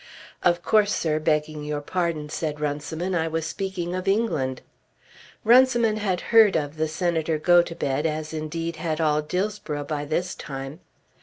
"Of course, sir, begging your pardon," said Runciman, "I was speaking of England." Runciman had heard of the Senator Gotobed, as indeed had all Dillsborough by this time.